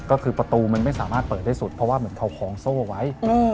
ก็คือประตูมันไม่สามารถเปิดได้สุดเพราะว่าเหมือนเขาคล้องโซ่ไว้